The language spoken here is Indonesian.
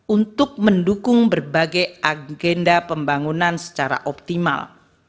untuk mendukung berbagai agenda pembangunan secara optimal